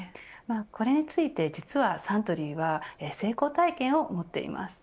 これについて実はサントリーは成功体験を持っています。